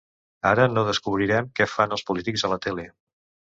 Ara no descobrirem què fan els polítics a la tele.